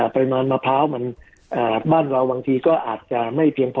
ไปนอนมะพร้าวบ้านเราบางทีก็อาจจะไม่เพียงพอ